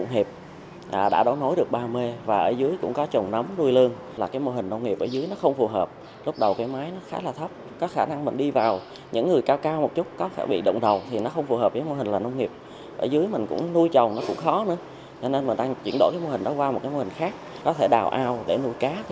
nên chúng ta chuyển đổi mô hình đó qua một mô hình khác có thể đào ao để nuôi cá thì nó phù hợp hơn